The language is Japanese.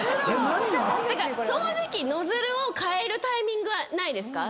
だから掃除機ノズルを替えるタイミングはないですか？